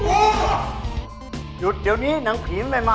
หยุดเดี๋ยวนี้หนังผีมันไม่มา